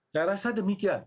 saya rasa demikian